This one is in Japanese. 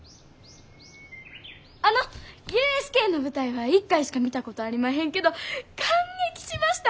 あのＵＳＫの舞台は１回しか見たことありまへんけど感激しました！